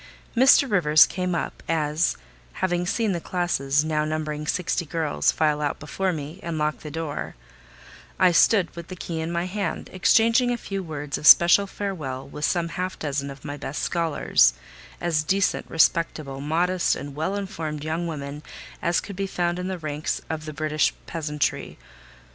Mr. Rivers came up as, having seen the classes, now numbering sixty girls, file out before me, and locked the door, I stood with the key in my hand, exchanging a few words of special farewell with some half dozen of my best scholars: as decent, respectable, modest, and well informed young women as could be found in the ranks of the British peasantry.